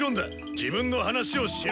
自分の話をしろ！